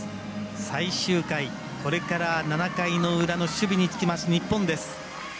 最終回、これから７回の裏の守備につきます日本です。